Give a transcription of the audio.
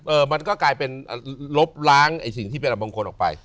มันก็กลายเป็นลบล้างไอ้สิ่งที่เป็นบางคนออกไป